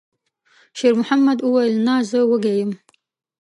شېرمحمد وویل: «نه، زه وږی نه یم.»